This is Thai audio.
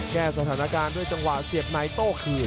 แก้สถานการณ์ด้วยจังหวะเสียบในโต้คืน